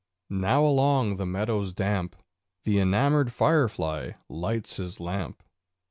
Now along the meadows damp The enamoured firefly lights his lamp.